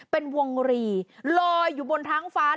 เป็นวงรีลอยอยู่บนท้องฟ้า